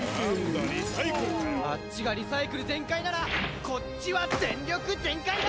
あっちがリサイクル全開ならこっちは全力全開だ！